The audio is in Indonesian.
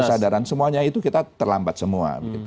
kesadaran semuanya itu kita terlambat semua